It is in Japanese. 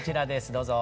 どうぞ。